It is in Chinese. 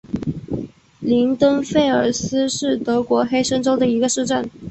林登费尔斯是德国黑森州的一个市镇。